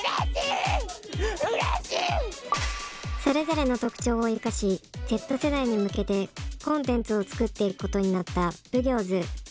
それぞれの特徴を生かしＺ世代に向けてコンテンツをつくっていくことになったＢＵＧＹＯＺ。